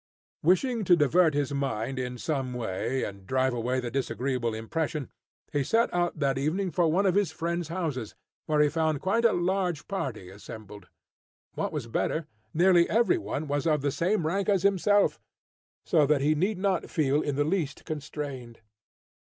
Wishing to divert his mind in some way and drive away the disagreeable impression, he set out that evening for one of his friends' houses, where he found quite a large party assembled. What was better, nearly every one was of the same rank as himself, so that he need not feel in the least constrained.